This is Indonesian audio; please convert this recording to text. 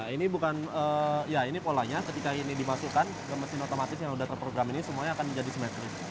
ini bukan ya ini polanya ketika ini dimasukkan ke mesin otomatis yang sudah terprogram ini semuanya akan menjadi simetris